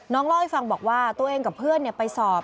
เล่าให้ฟังบอกว่าตัวเองกับเพื่อนไปสอบ